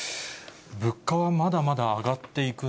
物価はまだまだ上がっていく